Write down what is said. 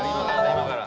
今から。